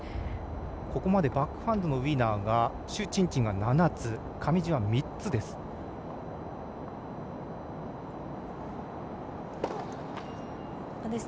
ここまでバックハンドのウイナーが朱珍珍が７つ上地は３つです。